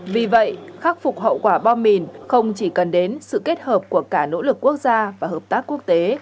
vì vậy khắc phục hậu quả bom mìn không chỉ cần đến sự kết hợp của cả nỗ lực quốc gia và hợp tác quốc tế